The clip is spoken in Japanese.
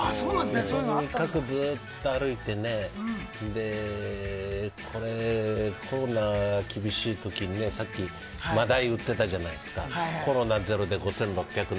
とにかくずっと歩いてコロナが厳しいときにさっきマダイを売っていたじゃないですか。